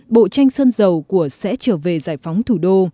bộ tranh sơn dầu của sẽ trở về giải phóng thủ đô